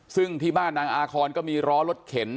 ซึ่งที่บ้านนางอาคอนก็มีร้อรถเข็น